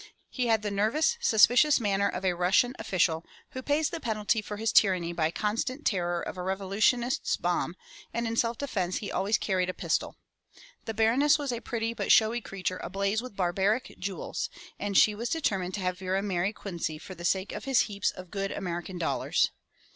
He had the nervous suspicious manner of a Russian official, who pays the penalty for his tyranny by constant terror of a revolutionist's bomb, and in self defence he always carried a pistol. The Baroness was a pretty but showy creature ablaze with barbaric jewels, and she was determined to have Vera marry Quincy for the sake of his heaps of good American dollars.